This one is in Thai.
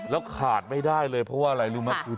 แล้วขาดไม่ได้เลยเพราะว่าอะไรรู้ไหม